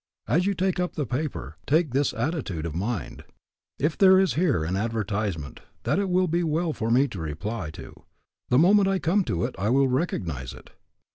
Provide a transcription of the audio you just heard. As you take up the paper, take this attitude of mind: If there is here an advertisement that it will be well for me to reply to, the moment I come to it I will recognize it.